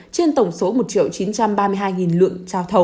trên tổng số một chín trăm ba mươi lượng